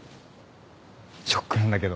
ショックなんだけど。